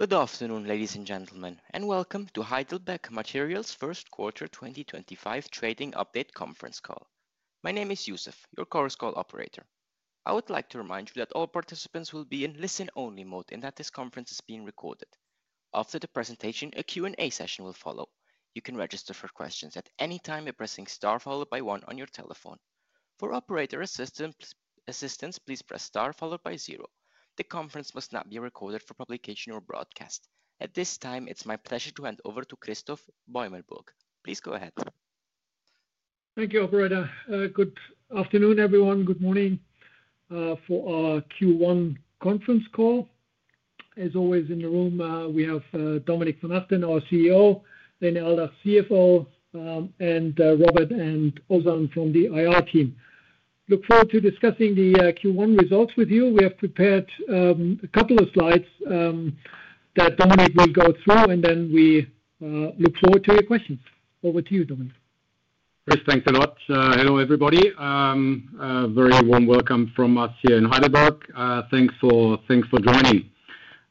Good afternoon, ladies and gentlemen, and welcome to Heidelberg Materials' First Quarter 2025 Trading Update Conference Call. My name is Yusuf, your Chorus Call operator. I would like to remind you that all participants will be in listen-only mode and that this conference is being recorded. After the presentation, a Q&A session will follow. You can register for questions at any time by pressing star followed by one on your telephone. For operator assistance, please press star followed by zero. The conference must not be recorded for publication or broadcast. At this time, it's my pleasure to hand over to Christoph Beumelburg. Please go ahead. Thank you, Operator. Good afternoon, everyone. Good morning for our Q1 conference call. As always in the room, we have Dominik von Achten, our CEO, René Aldach, CFO, and Robert and Ozan from the IR team. Look forward to discussing the Q1 results with you. We have prepared a couple of slides that Dominik will go through, and then we look forward to your questions. Over to you, Dominik. Great. Thanks a lot. Hello, everybody. A very warm welcome from us here in Heidelberg. Thanks for joining.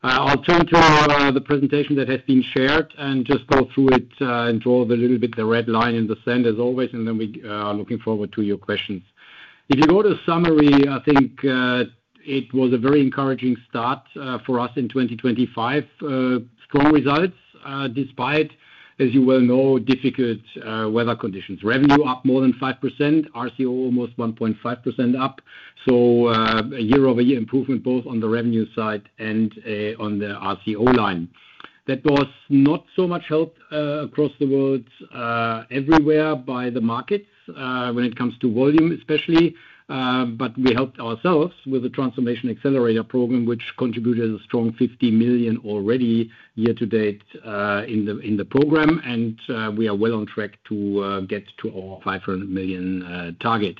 I'll turn to the presentation that has been shared and just go through it and draw a little bit the red line in the sand, as always, and then we are looking forward to your questions. If you go to summary, I think it was a very encouraging start for us in 2025. Strong results despite, as you well know, difficult weather conditions. Revenue up more than 5%, RCO almost 1.5% up, so a year-over-year improvement both on the revenue side and on the RCO line. That was not so much help across the world everywhere by the markets when it comes to volume, especially, but we helped ourselves with the Transformation Accelerator program, which contributed a strong 50 million already year-to-date in the program, and we are well on track to get to our 500 million target.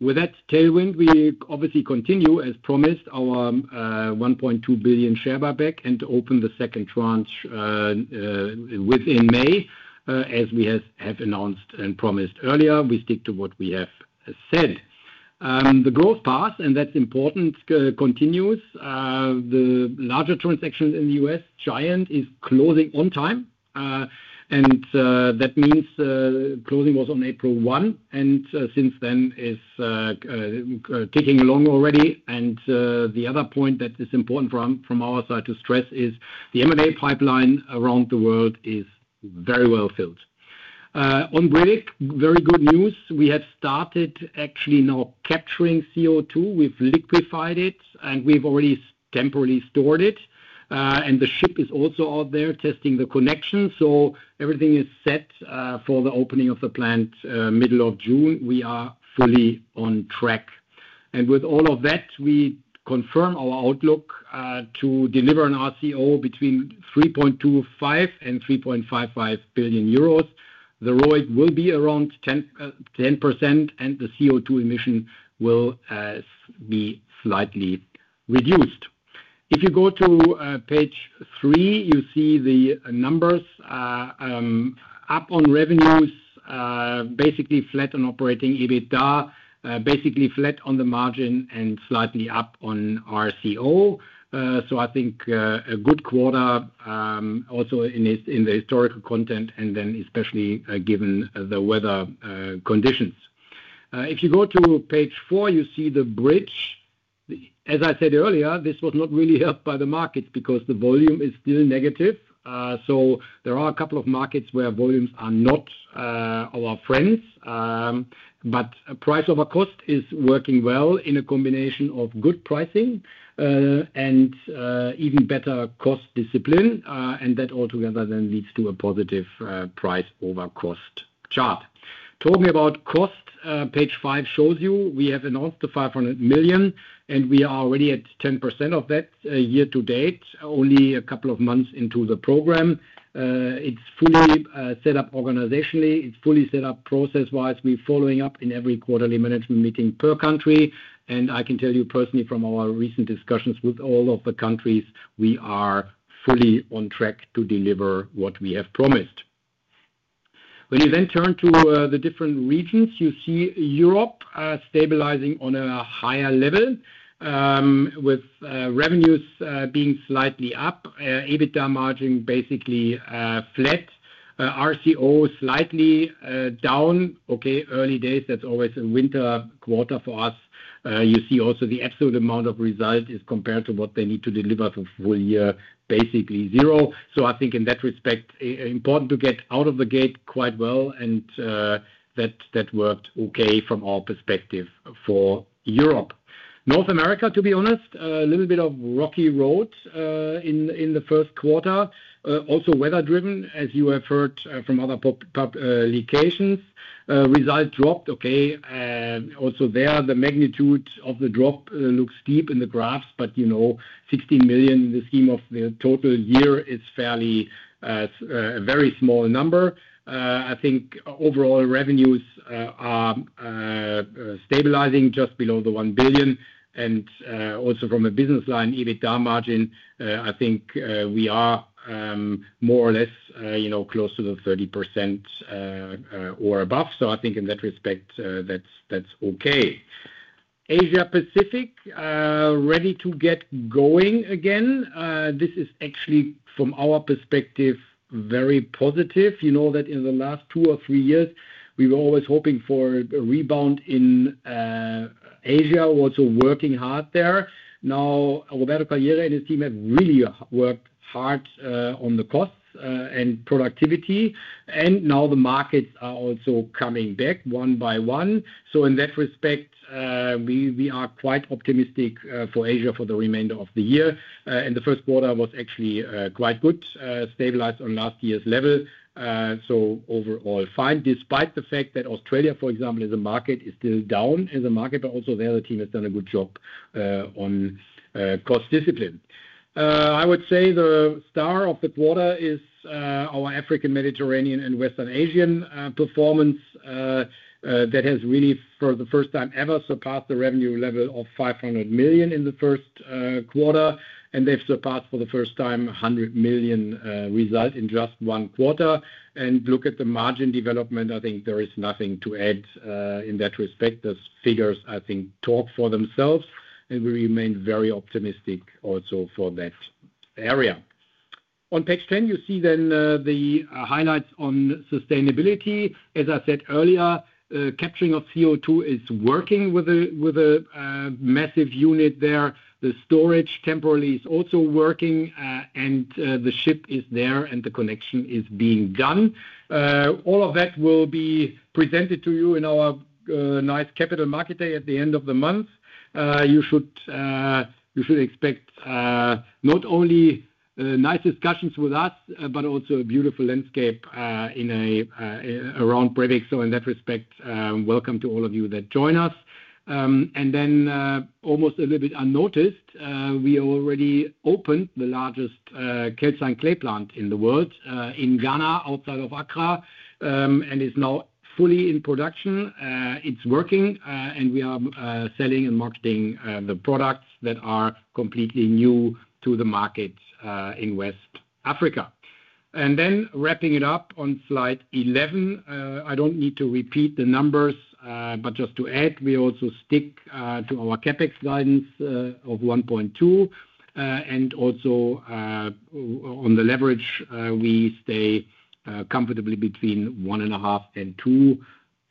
With that tailwind, we obviously continue, as promised, our 1.2 billion share buyback and open the second tranche within May, as we have announced and promised earlier. We stick to what we have said. The growth path, and that's important, continues. The larger transactions in the U.S. Giant is closing on time, and that means closing was on April 1, and since then is ticking along already. The other point that is important from our side to stress is the M&A pipeline around the world is very well filled. On Brevik, very good news. We have started actually now capturing CO2. We've liquefied it, and we've already temporarily stored it, and the ship is also out there testing the connection. So everything is set for the opening of the plant middle of June. We are fully on track. And with all of that, we confirm our outlook to deliver an RCO between 3.25-3.55 billion euros. The ROIC will be around 10%, and the CO2 emission will be slightly reduced. If you go to page three, you see the numbers up on revenues, basically flat on operating EBITDA, basically flat on the margin, and slightly up on RCO. So I think a good quarter also in the historical context and then especially given the weather conditions. If you go to page four, you see the bridge. As I said earlier, this was not really helped by the markets because the volume is still negative. So there are a couple of markets where volumes are not our friends, but price over cost is working well in a combination of good pricing and even better cost discipline, and that altogether then leads to a positive price over cost chart. Talking about cost, page five shows you we have announced the 500 million, and we are already at 10% of that year-to-date, only a couple of months into the program. It's fully set up organizationally. It's fully set up process-wise. We're following up in every quarterly management meeting per country, and I can tell you personally from our recent discussions with all of the countries, we are fully on track to deliver what we have promised. When you then turn to the different regions, you see Europe stabilizing on a higher level with revenues being slightly up, EBITDA margin basically flat, RCO slightly down. Okay, early days, that's always a winter quarter for us. You see also the absolute amount of result is compared to what they need to deliver for full year, basically zero. So I think in that respect, important to get out of the gate quite well, and that worked okay from our perspective for Europe. North America, to be honest, a little bit of rocky road in the first quarter. Also weather-driven, as you have heard from other publications, result dropped. Okay, also there, the magnitude of the drop looks deep in the graphs, but 16 million in the scheme of the total year is fairly a very small number. I think overall revenues are stabilizing just below the 1 billion, and also from a business line, EBITDA margin, I think we are more or less close to the 30% or above. So I think in that respect, that's okay. Asia-Pacific ready to get going again. This is actually, from our perspective, very positive. You know that in the last two or three years, we were always hoping for a rebound in Asia, also working hard there. Now, Roberto Callieri and his team have really worked hard on the costs and productivity, and now the markets are also coming back one by one. So in that respect, we are quite optimistic for Asia for the remainder of the year, and the first quarter was actually quite good, stabilized on last year's level. So overall fine, despite the fact that Australia, for example, as a market is still down as a market, but also there the team has done a good job on cost discipline. I would say the star of the quarter is our Africa-Mediterranean-Western Asia performance that has really, for the first time ever, surpassed the revenue level of 500 million in the first quarter, and they've surpassed for the first time 100 million result in just one quarter. And look at the margin development. I think there is nothing to add in that respect. Those figures, I think, talk for themselves, and we remain very optimistic also for that area. On page 10, you see then the highlights on sustainability. As I said earlier, capturing of CO2 is working with a massive unit there. The storage temporarily is also working, and the ship is there, and the connection is being done. All of that will be presented to you in our nice capital market day at the end of the month. You should expect not only nice discussions with us, but also a beautiful landscape around Brevik, so in that respect, welcome to all of you that join us, and then almost a little bit unnoticed, we already opened the largest calcined clay plant in the world in Ghana outside of Accra, and it is now fully in production. It's working, and we are selling and marketing the products that are completely new to the market in West Africa. And then, wrapping it up on slide 11, I don't need to repeat the numbers, but just to add, we also stick to our CapEx guidance of 1.2, and also on the leverage, we stay comfortably between one and a half and two.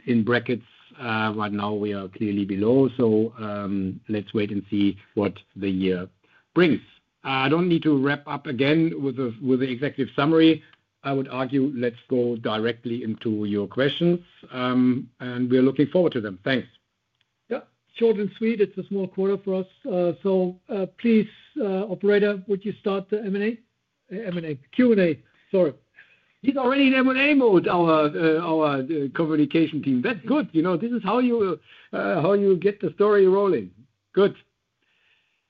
In brackets, right now we are clearly below, so let's wait and see what the year brings. I don't need to wrap up again with the executive summary. I would argue let's go directly into your questions, and we're looking forward to them. Thanks. Yeah, short and sweet. It's a small quarter for us, so please, Operator, would you start the M&A? M&A Q&A, sorry. He's already in M&A mode, our communication team. That's good. You know this is how you get the story rolling. Good.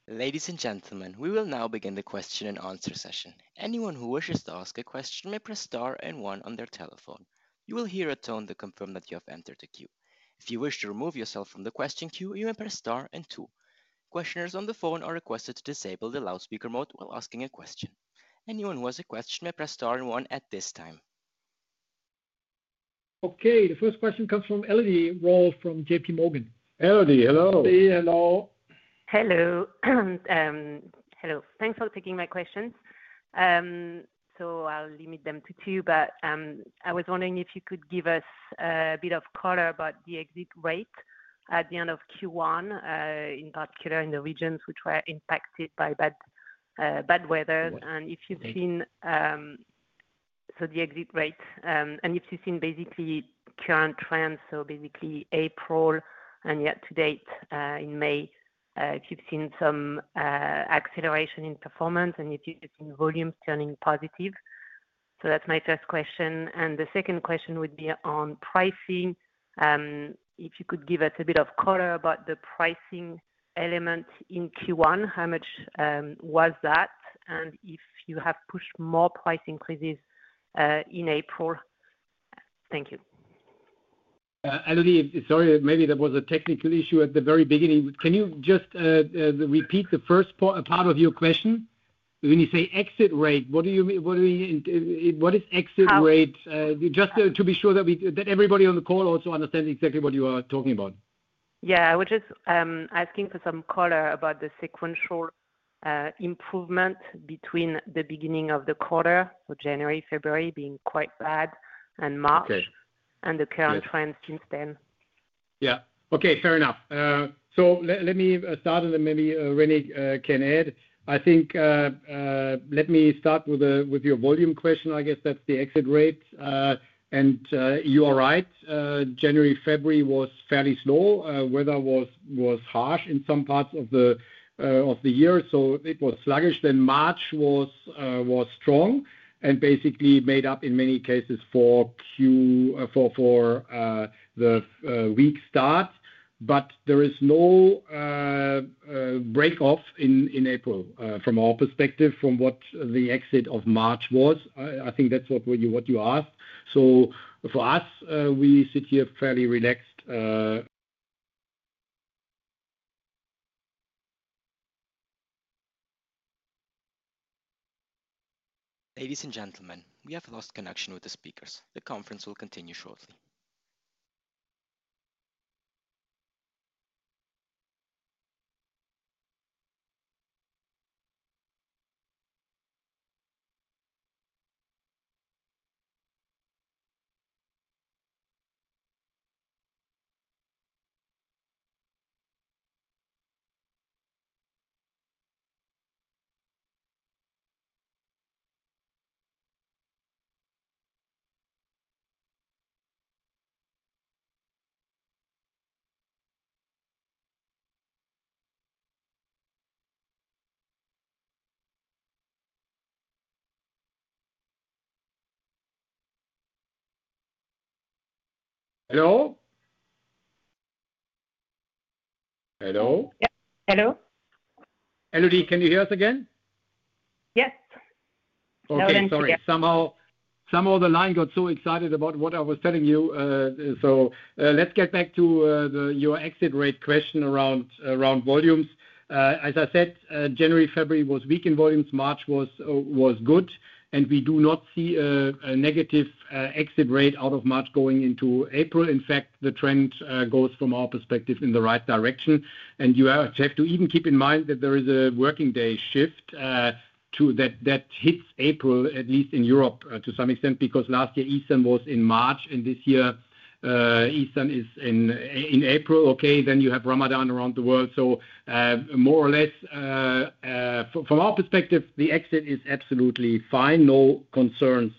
Ladies and gentlemen, we will now begin the question and answer session. Anyone who wishes to ask a question may press star and one on their telephone. You will hear a tone to confirm that you have entered the queue. If you wish to remove yourself from the question queue, you may press star and two. Questioners on the phone are requested to disable the loudspeaker mode while asking a question. Anyone who has a question may press star and one at this time. Okay, the first question comes from Elodie Rall from J.P. Morgan. Elodie, hello. Elodie, hello. Hello. Hello. Thanks for taking my questions, so I'll limit them to two, but I was wondering if you could give us a bit of color about the exit rate at the end of Q1, in particular in the regions which were impacted by bad weather, and if you've seen, so the exit rate, and if you've seen basically current trends, so basically April and year to date in May, if you've seen some acceleration in performance and if you've seen volumes turning positive, so that's my first question, and the second question would be on pricing. If you could give us a bit of color about the pricing element in Q1, how much was that, and if you have pushed more price increases in April. Thank you. Elodie, sorry, maybe there was a technical issue at the very beginning. Can you just repeat the first part of your question? When you say exit rate, what do you mean? What is exit rate? Just to be sure that everybody on the call also understands exactly what you are talking about. Yeah, I was just asking for some color about the sequential improvement between the beginning of the quarter, so January, February being quite bad, and March, and the current trend since then. Yeah. Okay, fair enough, so let me start, and then maybe René can add. I think let me start with your volume question. I guess that's the exit rate, and you are right. January, February was fairly slow. Weather was harsh in some parts of the year, so it was sluggish, then March was strong and basically made up in many cases for the weak start, but there is no break off in April from our perspective from what the exit of March was. I think that's what you asked, so for us, we sit here fairly relaxed. Ladies and gentlemen, we have lost connection with the speakers. The conference will continue shortly. Hello? Hello? Yep, hello. Elodie, can you hear us again? Yes. Okay, sorry. Somehow the line got so excited about what I was telling you. So let's get back to your exit rate question around volumes. As I said, January, February was weak in volumes. March was good, and we do not see a negative exit rate out of March going into April. In fact, the trend goes from our perspective in the right direction. And you have to even keep in mind that there is a working day shift that hits April, at least in Europe to some extent, because last year Easter was in March, and this year Easter is in April. Okay, then you have Ramadan around the world. So more or less, from our perspective, the exit is absolutely fine. No concerns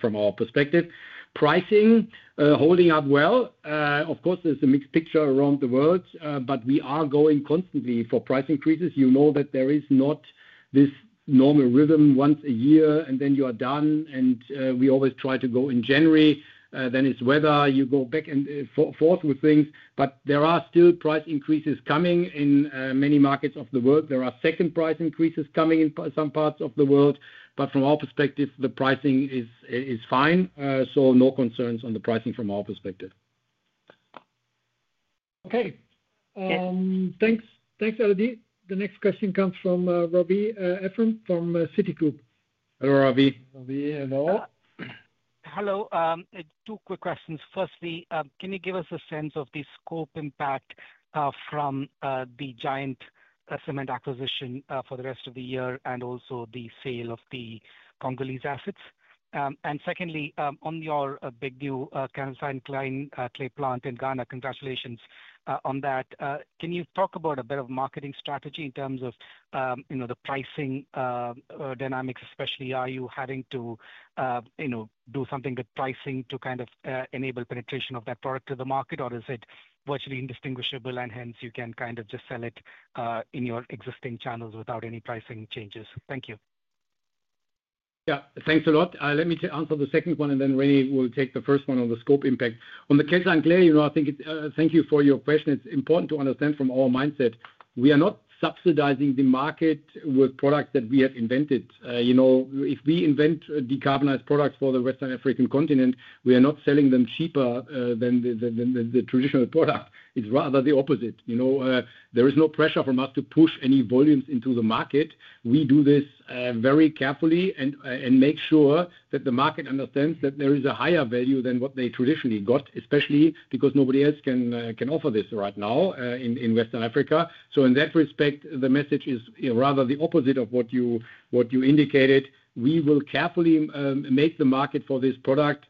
from our perspective. Pricing holding up well. Of course, there's a mixed picture around the world, but we are going constantly for price increases. You know that there is not this normal rhythm once a year, and then you are done. And we always try to go in January. Then it's weather. You go back and forth with things, but there are still price increases coming in many markets of the world. There are second price increases coming in some parts of the world, but from our perspective, the pricing is fine. So no concerns on the pricing from our perspective. Okay. Thanks, Elodie. The next question comes from Ephrem Ravi from Citigroup. Hello, Ravi. Ravi, hello. Hello. Two quick questions. Firstly, can you give us a sense of the scope impact from the Giant Cement acquisition for the rest of the year and also the sale of the Congolese assets? And secondly, on your big new calcined clay plant in Ghana, congratulations on that. Can you talk a bit about marketing strategy in terms of the pricing dynamics, especially are you having to do something with pricing to kind of enable penetration of that product to the market, or is it virtually indistinguishable, and hence you can kind of just sell it in your existing channels without any pricing changes? Thank you. Yeah, thanks a lot. Let me answer the second one, and then René will take the first one on the scope impact. On the calcined clay, I think thank you for your question. It's important to understand from our mindset, we are not subsidizing the market with products that we have invented. If we invent decarbonized products for the West African continent, we are not selling them cheaper than the traditional product. It's rather the opposite. There is no pressure from us to push any volumes into the market. We do this very carefully and make sure that the market understands that there is a higher value than what they traditionally got, especially because nobody else can offer this right now in West Africa. So in that respect, the message is rather the opposite of what you indicated. We will carefully make the market for this product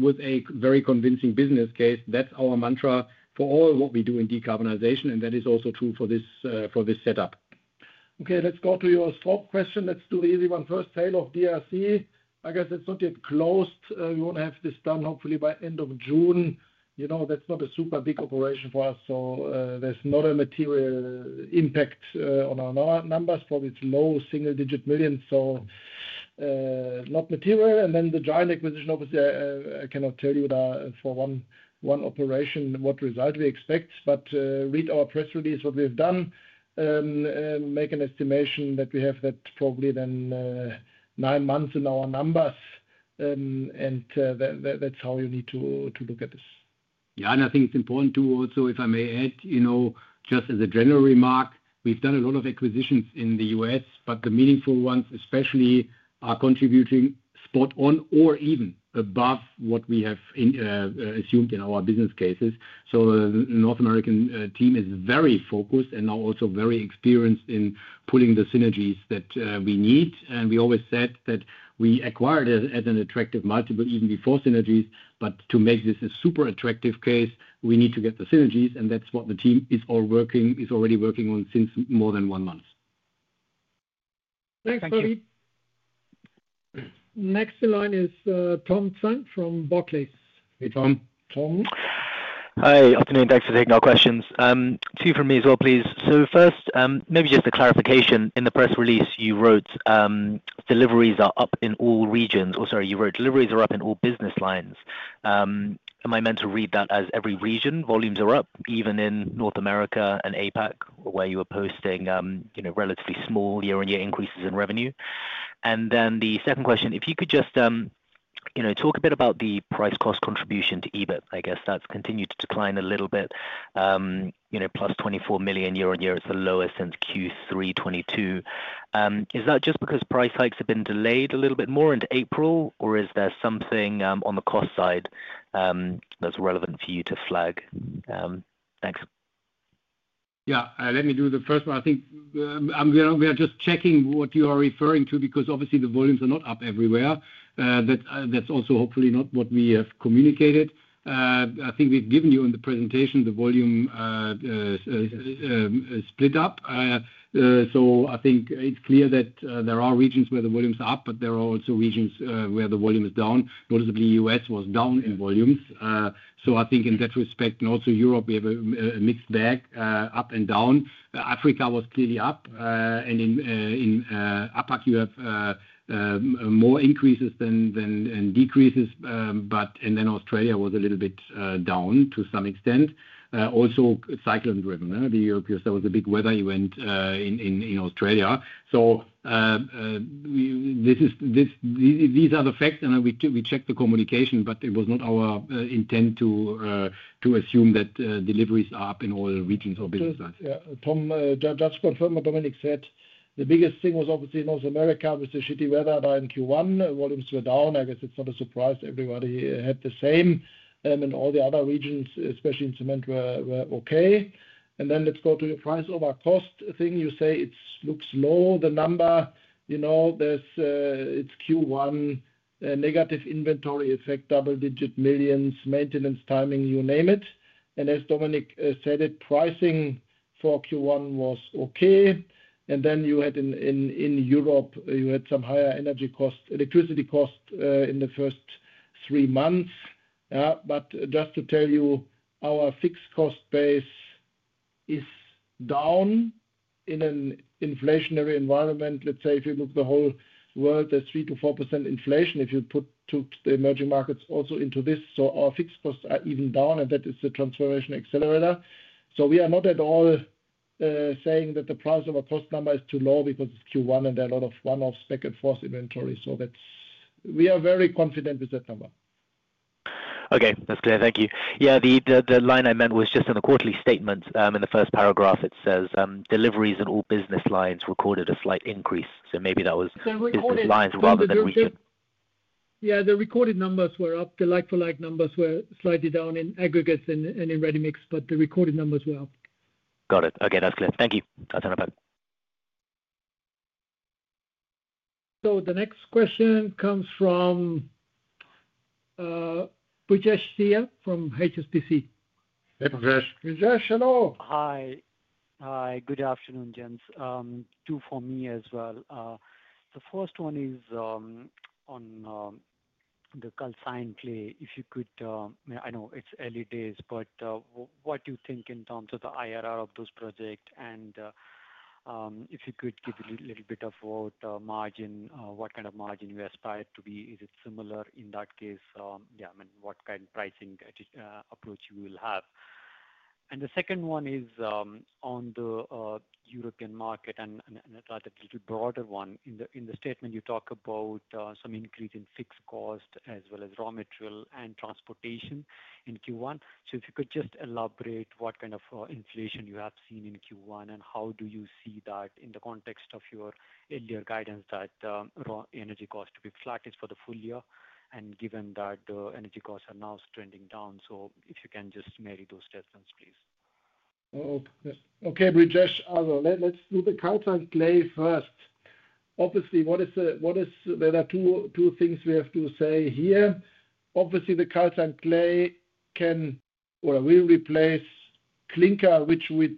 with a very convincing business case. That's our mantra for all what we do in decarbonization, and that is also true for this setup. Okay, let's go to your next question. Let's do the easy one first. Sale of DRC, I guess it's not yet closed. We want to have this done hopefully by end of June. That's not a super big operation for us, so there's not a material impact on our numbers for these low single-digit millions, so not material. And then the Giant acquisition, obviously, I cannot tell you for one operation what result we expect, but read our press release what we've done, make an estimation that we have that probably then nine months in our numbers, and that's how you need to look at this. Yeah, and I think it's important to also, if I may add, just as a general remark, we've done a lot of acquisitions in the U.S., but the meaningful ones especially are contributing spot on or even above what we have assumed in our business cases. So the North American team is very focused and now also very experienced in pulling the synergies that we need. And we always said that we acquired it as an attractive multiple even before synergies, but to make this a super attractive case, we need to get the synergies, and that's what the team is already working on since more than one month. Thanks, Ravi. Next in line is Tom Zhang from Barclays. Hey, Tom. Tom. Hi, afternoon. Thanks for taking our questions. Two from me as well, please. So first, maybe just a clarification. In the press release, you wrote deliveries are up in all regions. Or sorry, you wrote deliveries are up in all business lines. Am I meant to read that as every region volumes are up, even in North America and APAC, where you are posting relatively small year-on-year increases in revenue? And then the second question, if you could just talk a bit about the price-cost contribution to EBIT, I guess that's continued to decline a little bit, plus 24 million year-on-year. It's the lowest since Q3 2022. Is that just because price hikes have been delayed a little bit more into April, or is there something on the cost side that's relevant for you to flag? Thanks. Yeah, let me do the first one. I think we are just checking what you are referring to because obviously the volumes are not up everywhere. That's also hopefully not what we have communicated. I think we've given you in the presentation the volume split up. So I think it's clear that there are regions where the volumes are up, but there are also regions where the volume is down. Noticeably, the U.S. was down in volumes. So I think in that respect, and also Europe, we have a mixed bag, up and down. Africa was clearly up, and in APAC, you have more increases than decreases, and then Australia was a little bit down to some extent. Also cyclone-driven. There was a big weather event in Australia. So these are the facts, and we checked the communication, but it was not our intent to assume that deliveries are up in all regions or business lines. Yeah, Tom, just to confirm what Dominik said, the biggest thing was obviously North America with the shitty weather in Q1. Volumes were down. I guess it's not a surprise. Everybody had the same, and all the other regions, especially in cement, were okay, and then let's go to your price-over-cost thing. You say it looks low, the number. It's Q1, negative inventory effect, double-digit millions, maintenance timing, you name it, and as Dominik said, pricing for Q1 was okay, and then you had in Europe, you had some higher electricity cost in the first three months, but just to tell you, our fixed cost base is down in an inflationary environment. Let's say if you look at the whole world, there's 3%-4% inflation if you took the emerging markets also into this, so our fixed costs are even down, and that is the Transformation Accelerator. So we are not at all saying that the price-over-cost number is too low because it's Q1, and there are a lot of one-offs back and forth inventory. So we are very confident with that number. Okay, that's clear. Thank you. Yeah, the line I meant was just in the quarterly statement. In the first paragraph, it says deliveries in all business lines recorded a slight increase. So maybe that was interesting lines rather than region. Yeah, the recorded numbers were up. The like-for-like numbers were slightly down in aggregates and in ready mix, but the recorded numbers were up. Got it. Okay, that's clear. Thank you. That's enough. The next question comes from Brijesh Siya from HSBC. Hey, Brijesh. Brijesh, hello. Hi. Hi, good afternoon, gents. Two for me as well. The first one is on the calcined clay. If you could, I know it's early days, but what do you think in terms of the IRR of those projects? And if you could give a little bit of what margin, what kind of margin you aspire to be? Is it similar in that case? Yeah, I mean, what kind of pricing approach you will have? And the second one is on the European market, and rather a little broader one. In the statement, you talk about some increase in fixed cost as well as raw material and transportation in Q1. So if you could just elaborate what kind of inflation you have seen in Q1, and how do you see that in the context of your earlier guidance that energy costs to be flat for the full year? Given that energy costs are now trending down, so if you can just marry those statements, please. Okay, Brijesh. Let's do the calcined clay first. Obviously, there are two things we have to say here. Obviously, the calcined clay can or will replace clinker, which we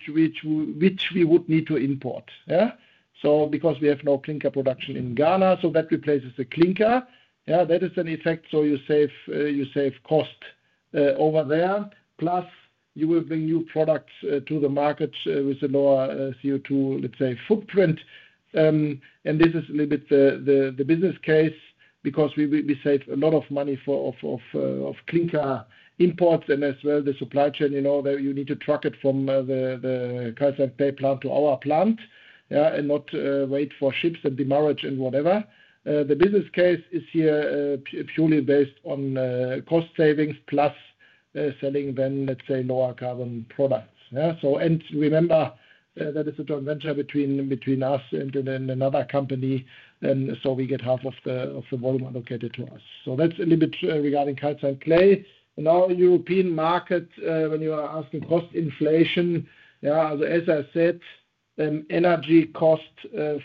would need to import. Yeah? So because we have no clinker production in Ghana, so that replaces the clinker. Yeah, that is an effect, so you save cost over there. Plus, you will bring new products to the market with a lower CO2, let's say, footprint. And this is a little bit the business case because we save a lot of money of clinker imports and as well the supply chain. You need to truck it from the calcined clay plant to our plant and not wait for ships and demurrage and whatever. The business case is here purely based on cost savings plus selling then, let's say, lower carbon products. Remember, that is a joint venture between us and another company, and so we get half of the volume allocated to us. So that's a little bit regarding calcined clay. Now, European market, when you are asking cost inflation, as I said, energy cost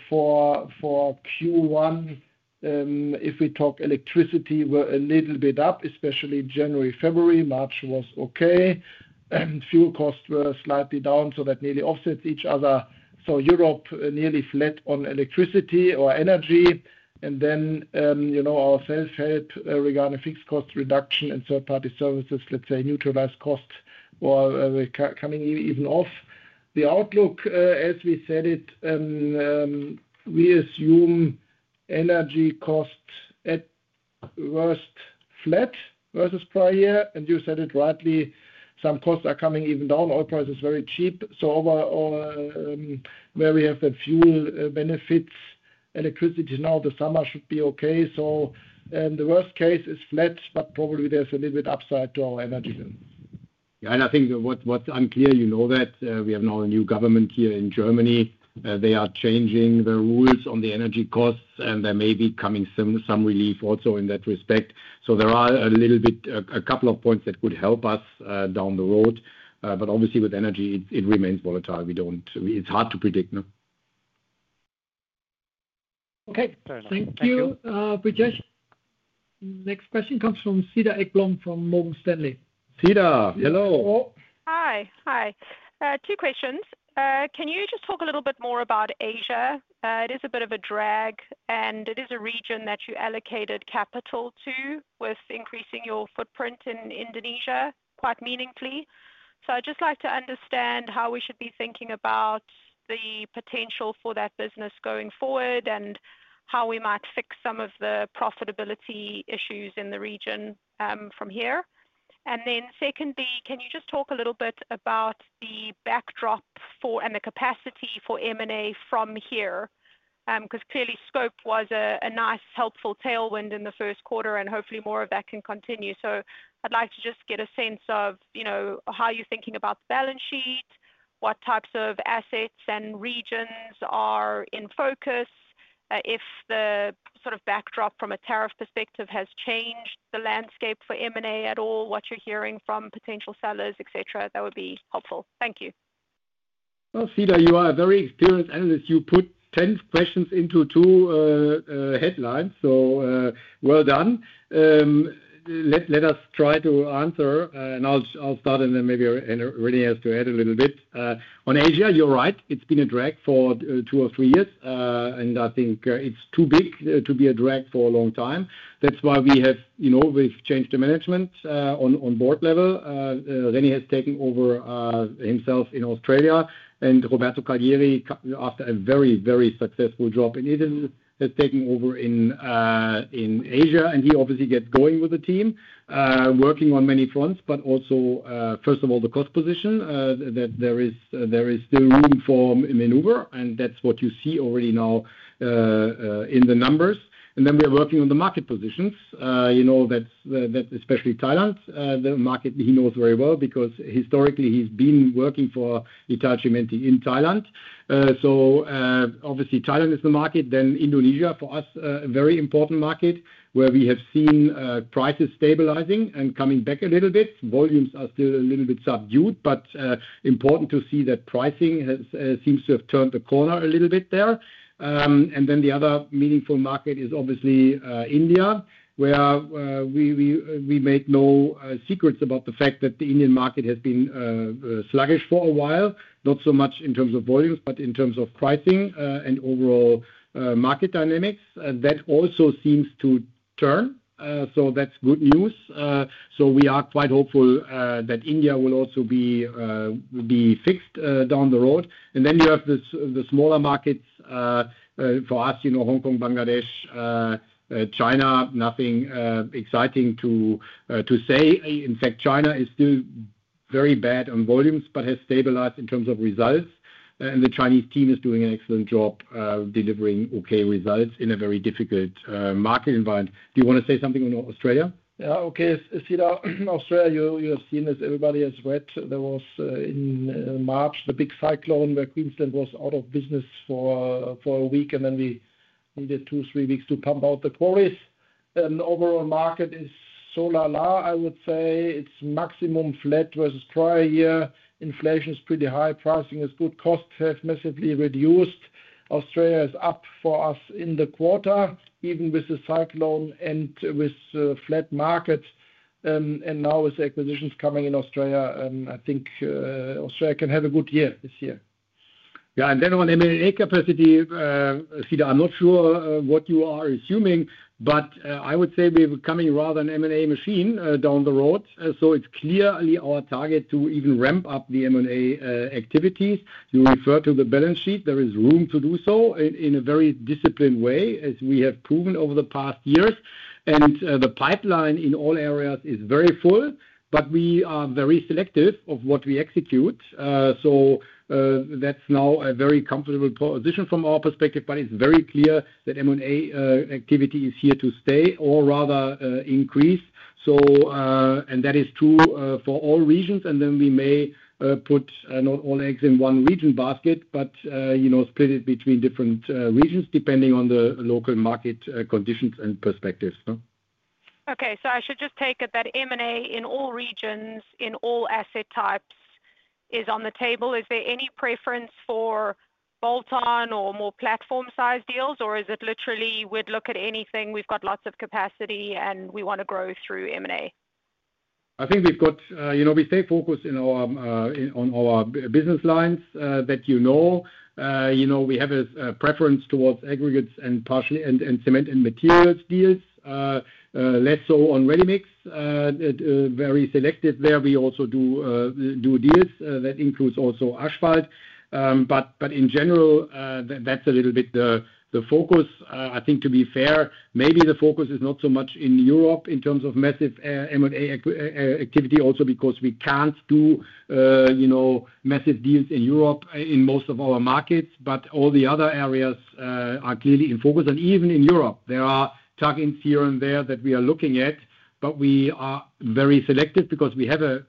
for Q1, if we talk electricity, were a little bit up, especially January, February. March was okay. Fuel costs were slightly down, so that nearly offsets each other. So Europe nearly flat on electricity or energy. And then our self-help regarding fixed cost reduction and third-party services, let's say, neutralized costs were coming even off. The outlook, as we said it, we assume energy costs at worst flat versus prior year. And you said it rightly, some costs are coming even down. Oil price is very cheap. So where we have the fuel benefits, electricity now, the summer should be okay. The worst case is flat, but probably there's a little bit upside to our energy. Yeah, and I think what's unclear, you know, that we have now a new government here in Germany. They are changing the rules on the energy costs, and there may be coming some relief also in that respect, so there are a little bit, a couple of points that could help us down the road, but obviously, with energy, it remains volatile. It's hard to predict. Okay. Thank you, Brijesh. Next question comes from Cedar Ekblom from Morgan Stanley. Cedar, hello. Hi, hi. Two questions. Can you just talk a little bit more about Asia? It is a bit of a drag, and it is a region that you allocated capital to with increasing your footprint in Indonesia quite meaningfully. So I'd just like to understand how we should be thinking about the potential for that business going forward and how we might fix some of the profitability issues in the region from here. Then secondly, can you just talk a little bit about the backdrop and the capacity for M&A from here? Because clearly, scope was a nice helpful tailwind in the first quarter, and hopefully more of that can continue. So I'd like to just get a sense of how you're thinking about the balance sheet, what types of assets and regions are in focus, if the sort of backdrop from a tariff perspective has changed the landscape for M&A at all, what you're hearing from potential sellers, etc. That would be helpful. Thank you. Cedar, you are very experienced. As you put 10 questions into two headlines, so well done. Let us try to answer, and I'll start, and then maybe René has to add a little bit. On Asia, you're right. It's been a drag for two or three years, and I think it's too big to be a drag for a long time. That's why we've changed the management on board level. René has taken over himself in Australia, and Roberto Callieri, after a very, very successful job in Italy, has taken over in Asia. He obviously gets going with the team, working on many fronts, but also, first of all, the cost position, that there is still room for maneuver, and that's what you see already now in the numbers. Then we are working on the market positions. You know that especially Thailand, the market he knows very well because historically he's been working for Italcementi in Thailand. So obviously, Thailand is the market. Then Indonesia, for us, a very important market where we have seen prices stabilizing and coming back a little bit. Volumes are still a little bit subdued, but important to see that pricing seems to have turned the corner a little bit there. And then the other meaningful market is obviously India, where we made no secrets about the fact that the Indian market has been sluggish for a while, not so much in terms of volumes, but in terms of pricing and overall market dynamics. That also seems to turn, so that's good news. So we are quite hopeful that India will also be fixed down the road. And then you have the smaller markets for us, Hong Kong, Bangladesh, China, nothing exciting to say. In fact, China is still very bad on volumes but has stabilized in terms of results. And the Chinese team is doing an excellent job delivering okay results in a very difficult market environment. Do you want to say something on Australia? Yeah, okay. Cedar, Australia, you have seen this. Everybody has read. There was in March the big cyclone where Queensland was out of business for a week, and then we needed two, three weeks to pump out the quarries. And overall market is so la la, I would say. It's maximum flat versus prior year. Inflation is pretty high. Pricing is good. Costs have massively reduced. Australia is up for us in the quarter, even with the cyclone and with flat market. Now with the acquisitions coming in Australia, I think Australia can have a good year this year. Yeah, and then on M&A capacity, Cedar, I'm not sure what you are assuming, but I would say we're becoming rather an M&A machine down the road. So it's clearly our target to even ramp up the M&A activities. You refer to the balance sheet. There is room to do so in a very disciplined way, as we have proven over the past years. And the pipeline in all areas is very full, but we are very selective of what we execute. So that's now a very comfortable position from our perspective, but it's very clear that M&A activity is here to stay or rather increase. And that is true for all regions. And then we may put not all eggs in one region basket, but split it between different regions depending on the local market conditions and perspectives. Okay, so I should just take it that M&A in all regions, in all asset types, is on the table. Is there any preference for bolt-on or more platform-sized deals, or is it literally we'd look at anything? We've got lots of capacity, and we want to grow through M&A. I think we've got we stay focused on our business lines, you know. We have a preference towards aggregates and cement and materials deals, less so on ready mix. We also do deals that include also asphalt. But in general, that's a little bit the focus. I think to be fair, maybe the focus is not so much in Europe in terms of massive M&A activity also because we can't do massive deals in Europe in most of our markets, but all the other areas are clearly in focus, and even in Europe, there are tuck-ins here and there that we are looking at, but we are very selective because we have a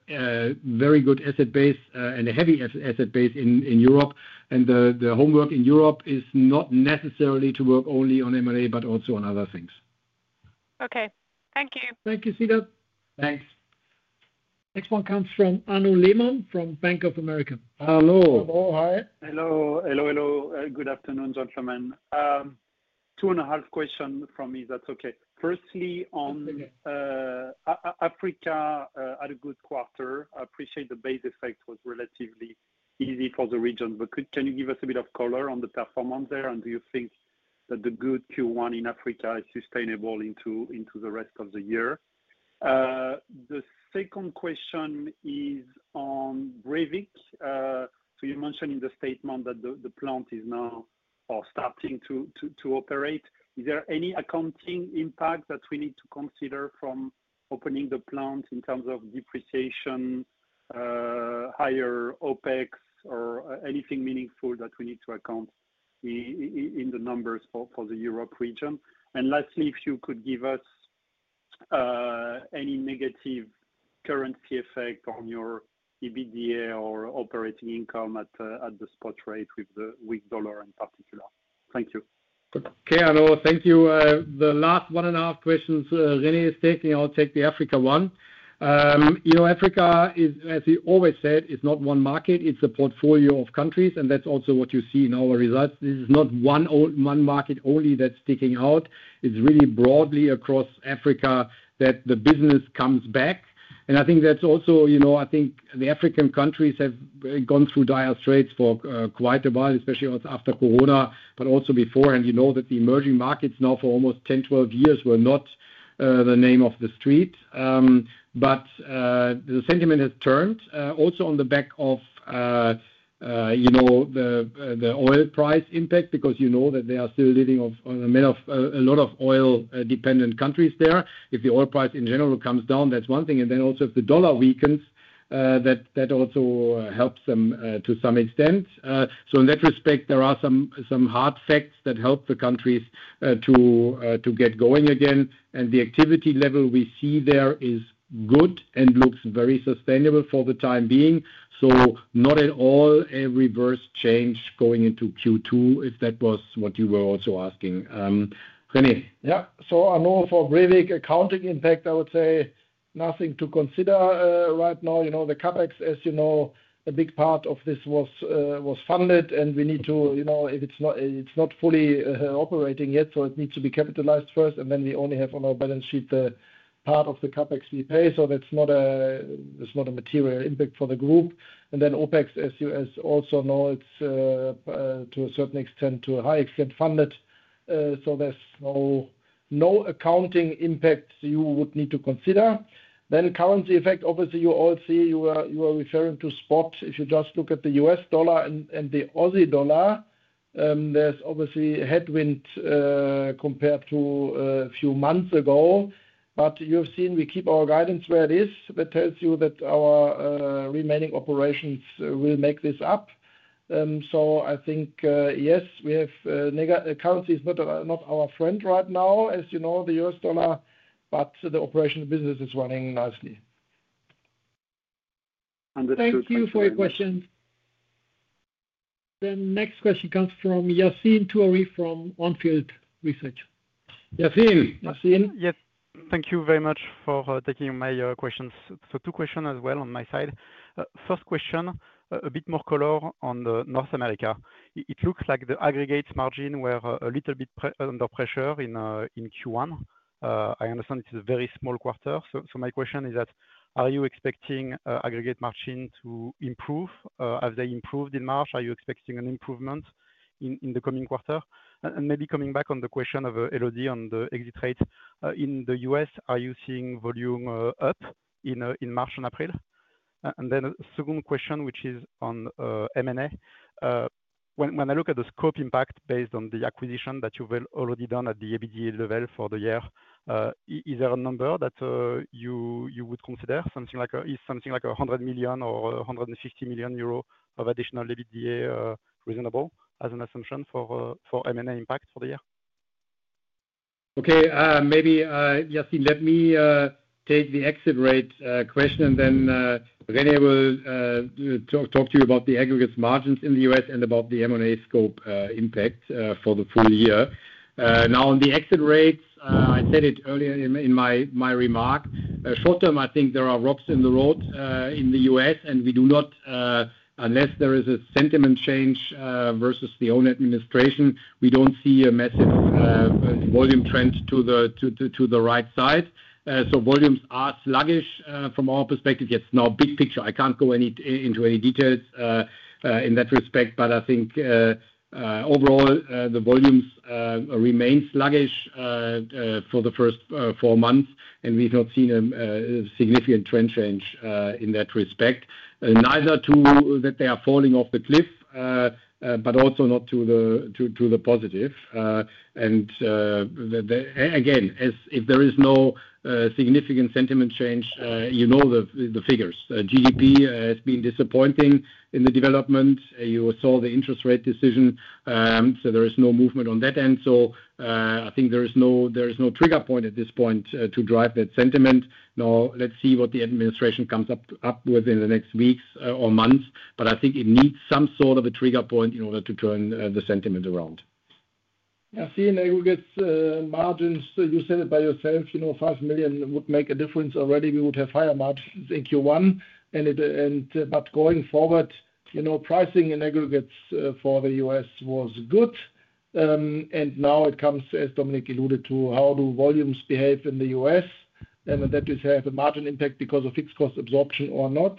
very good asset base and a heavy asset base in Europe, and the homework in Europe is not necessarily to work only on M&A, but also on other things. Okay, thank you. Thank you, Cedar. Thanks. Next one comes from Arnaud Lehmann from Bank of America. Hello. Hello, hi. Hello, hello, hello. Good afternoon, gentlemen. Two and a half questions from me, if that's okay. Firstly, Africa had a good quarter. I appreciate the base effect was relatively easy for the region, but can you give us a bit of color on the performance there? And do you think that the good Q1 in Africa is sustainable into the rest of the year? The second question is on Brevik. So you mentioned in the statement that the plant is now starting to operate. Is there any accounting impact that we need to consider from opening the plant in terms of depreciation, higher OpEx, or anything meaningful that we need to account in the numbers for the Europe region? And lastly, if you could give us any negative currency effect on your EBITDA or operating income at the spot rate with the U.S. dollar in particular? Thank you. Okay, Arnaud, thank you. The last one and a half questions René is taking, I'll take the Africa one. Africa is, as he always said, not one market. It's a portfolio of countries, and that's also what you see in our results. This is not one market only that's sticking out. It's really broadly across Africa that the business comes back. And I think that's also the African countries have gone through dire straits for quite a while, especially after Corona, but also before. And you know that the emerging markets now for almost 10, 12 years were not the name of the street. But the sentiment has turned also on the back of the oil price impact because you know that they are still living on a lot of oil-dependent countries there. If the oil price in general comes down, that's one thing. And then also if the dollar weakens, that also helps them to some extent. So in that respect, there are some hard facts that help the countries to get going again. And the activity level we see there is good and looks very sustainable for the time being. So not at all a reverse change going into Q2, if that was what you were also asking. René. Yeah, so Arnaud for Brevik, accounting impact, I would say nothing to consider right now. The CapEx, as you know, a big part of this was funded, and we need to, if it's not fully operating yet, so it needs to be capitalized first. And then we only have on our balance sheet the part of the CapEx we pay. So that's not a material impact for the group. And then OpEx, as you also know, it's to a certain extent to a high extent funded. So there's no accounting impact you would need to consider. Then currency effect, obviously, you all see you are referring to spot. If you just look at the U.S. dollar and the Aussie dollar, there's obviously a headwind compared to a few months ago. But you have seen we keep our guidance where it is. That tells you that our remaining operations will make this up. So I think, yes, we have. Currency is not our friend right now, as you know, the U.S. dollar, but the operational business is running nicely. Understood. Thank you for your questions. Then next question comes from Yassine Touahri from Onfield Research. Yassine, Yassine? Yes, thank you very much for taking my questions. So two questions as well on my side. First question, a bit more color on North America. It looks like the aggregate margin were a little bit under pressure in Q1. I understand it's a very small quarter. So my question is that, are you expecting aggregate margin to improve? Have they improved in March? Are you expecting an improvement in the coming quarter? And maybe coming back on the question of Elodie on the exit rate, in the U.S., are you seeing volume up in March and April? And then a second question, which is on M&A. When I look at the scope impact based on the acquisition that you've already done at the EBITDA level for the year, is there a number that you would consider? Something like 100 million or 150 million euro of additional EBITDA reasonable as an assumption for M&A impact for the year? Okay, maybe Yassine, let me take the exit rate question, and then René will talk to you about the aggregates margins in the U.S. and about the M&A scope impact for the full year. Now, on the exit rates, I said it earlier in my remarks. Short term, I think there are rocks in the road in the U.S., and we do not, unless there is a sentiment change versus the own administration, we don't see a massive volume trend to the right side. So volumes are sluggish from our perspective. It's the big picture. I can't go into any details in that respect, but I think overall, the volumes remain sluggish for the first four months, and we've not seen a significant trend change in that respect. Neither that they are falling off the cliff, but also not to the positive. Again, if there is no significant sentiment change, you know the figures. GDP has been disappointing in the development. You saw the interest rate decision, so there is no movement on that end. I think there is no trigger point at this point to drive that sentiment. Now, let's see what the administration comes up with in the next weeks or months, but I think it needs some sort of a trigger point in order to turn the sentiment around. Yassine, aggregate margins, you said it yourself, 5 million would make a difference already. We would have higher margins in Q1. But going forward, pricing in aggregates for the U.S. was good. And now it comes, as Dominik alluded to, how do volumes behave in the U.S.? And that will have a margin impact because of fixed cost absorption or not.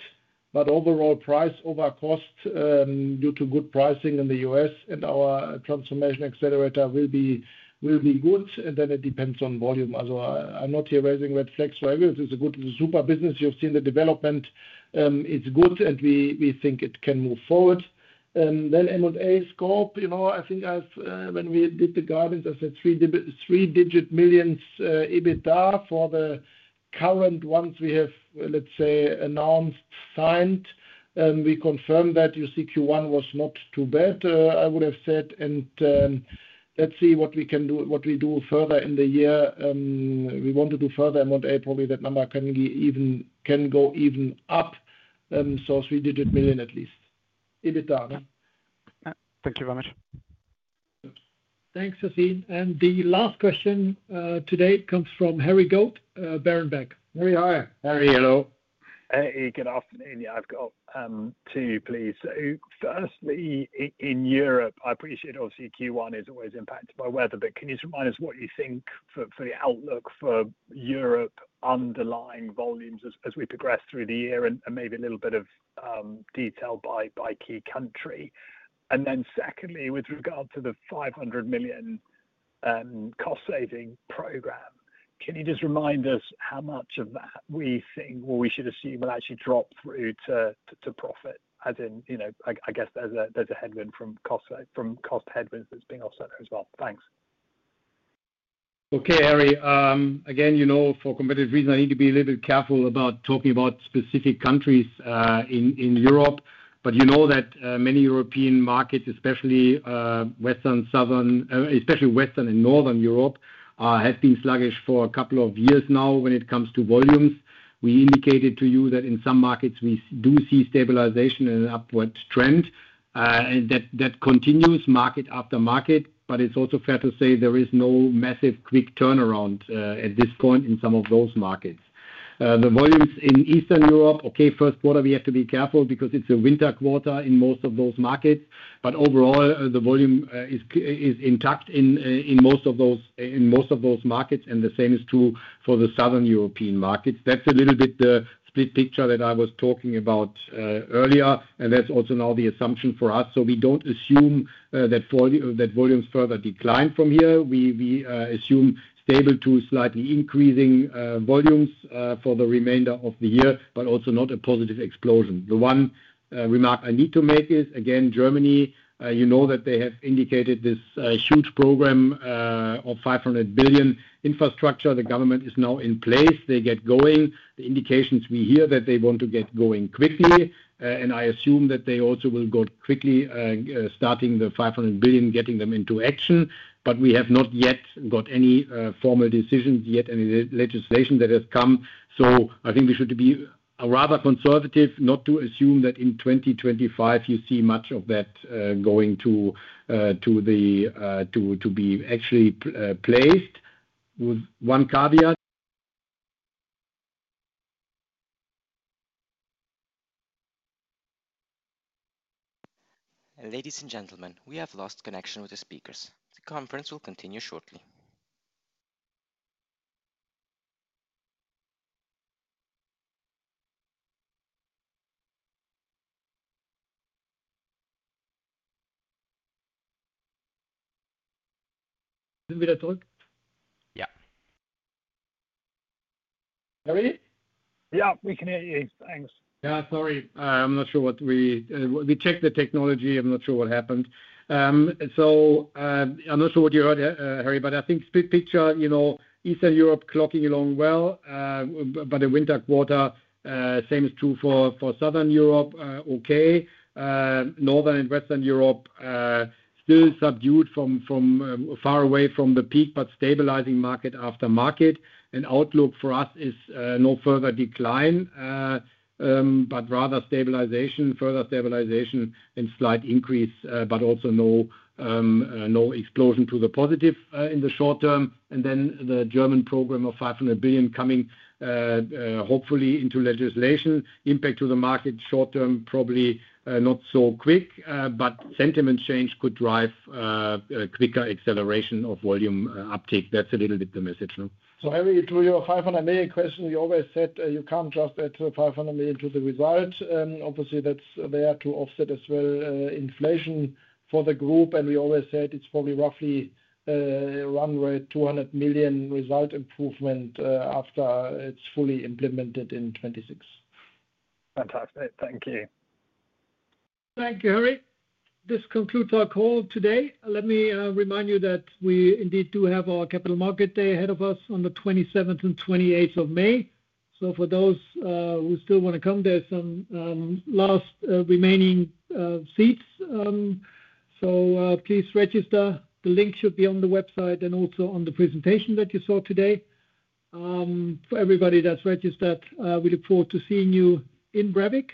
But overall price over cost due to good pricing in the U.S. and our Transformation Accelerator will be good. And then it depends on volume. I'm not here raising red flags. So everything's good. It's a super business. You've seen the development. It's good, and we think it can move forward. Then M&A scope, I think when we did the guidance, I said three-digit million EBITDA for the current ones we have, let's say, announced, signed. We confirmed that you see Q1 was not too bad, I would have said, and let's see what we can do, what we do further in the year. We want to do further M&A, probably that number can go even up, so three-digit million at least. EBITDA. Thank you very much. Thanks, Yassine. And the last question today comes from Harry Goad, Berenberg. Hey, hi. Hey, Harry. Hello. Hey, good afternoon. Yeah, I've got two, please. Firstly, in Europe, I appreciate obviously Q1 is always impacted by weather, but can you just remind us what you think for the outlook for Europe underlying volumes as we progress through the year and maybe a little bit of detail by key country? And then secondly, with regard to the 500 million cost-saving program, can you just remind us how much of that we think, or we should assume, will actually drop through to profit? As in, I guess there's a headwind from cost headwinds that's being also there as well. Thanks. Okay, Harry. Again, for competitive reasons, I need to be a little bit careful about talking about specific countries in Europe. But you know that many European markets, especially Western, Southern, especially Western and Northern Europe, have been sluggish for a couple of years now when it comes to volumes. We indicated to you that in some markets, we do see stabilization and an upward trend, and that continues market after market. But it's also fair to say there is no massive quick turnaround at this point in some of those markets. The volumes in Eastern Europe, okay, first quarter, we have to be careful because it's a winter quarter in most of those markets. But overall, the volume is intact in most of those markets, and the same is true for the Southern European markets. That's a little bit the split picture that I was talking about earlier, and that's also now the assumption for us, so we don't assume that volumes further decline from here. We assume stable to slightly increasing volumes for the remainder of the year, but also not a positive explosion. The one remark I need to make is, again, Germany. You know that they have indicated this huge program of 500 billion infrastructure. The government is now in place. They get going. The indications we hear that they want to get going quickly, and I assume that they also will go quickly starting the 500 billion, getting them into action. But we have not yet got any formal decisions yet, any legislation that has come. So, I think we should be rather conservative not to assume that in 2025, you see much of that going to be actually placed with one caveat. Ladies and gentlemen, we have lost connection with the speakers. The conference will continue shortly. Are we back? Yeah. Harry? Yeah, we can hear you. Thanks. Yeah, sorry. I'm not sure what we checked the technology. I'm not sure what happened. So I'm not sure what you heard, Harry, but I think split picture, Eastern Europe clocking along well, but a winter quarter, same as true for Southern Europe, okay. Northern and Western Europe still subdued from far away from the peak, but stabilizing market after market. And outlook for us is no further decline, but rather stabilization, further stabilization and slight increase, but also no explosion to the positive in the short term. And then the German program of 500 billion coming hopefully into legislation, impact to the market short term, probably not so quick, but sentiment change could drive quicker acceleration of volume uptake. That's a little bit the message. So Harry, to your 500 million question, we always said you can't just add 500 million to the result. Obviously, that's there to offset as well inflation for the group. And we always said it's probably roughly run rate 200 million result improvement after it's fully implemented in 2026. Fantastic. Thank you. Thank you, Harry. This concludes our call today. Let me remind you that we indeed do have our Capital Markets Day ahead of us on the 27th and 28th of May. So for those who still want to come, there's some last remaining seats. So please register. The link should be on the website and also on the presentation that you saw today. For everybody that's registered, we look forward to seeing you in Brevik.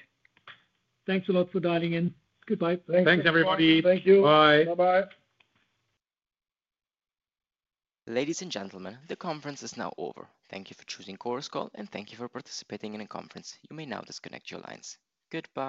Thanks a lot for dialing in. Goodbye. Thanks, everybody. Thank you. Bye. Bye-bye. Ladies and gentlemen, the conference is now over. Thank you for choosing Chorus Call, and thank you for participating in the conference. You may now disconnect your lines. Goodbye.